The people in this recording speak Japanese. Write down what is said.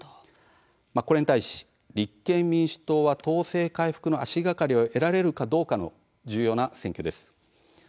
これに対し、立憲民主党は党勢回復の足がかりを得られるかどうかの重要な選挙です。